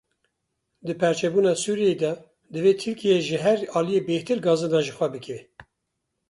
Di perçebûna Sûriyeyê de divê Tirkiye ji her aliyî bêhtir gazinan ji xwe bike.